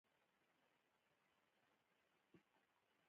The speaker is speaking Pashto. تالابونه د افغانستان د کلتوري میراث یوه برخه ده.